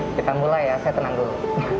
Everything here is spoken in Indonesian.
kita mulai ya saya tenang dulu